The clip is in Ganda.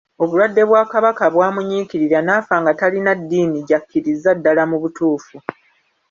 Obulwadde bwa Kabaka bwamunyiikirira n'afa nga talina ddiini gy'akkiririzza ddala mu butuufu.